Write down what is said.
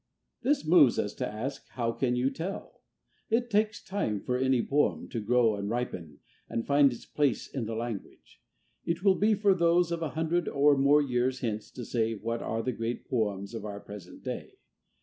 This moves us to ask, how can you tell? It takes time for any poem to grow and ripen and find its place in the language. It will be for those of a hundred or more years hence to say what are the great poems of our present day.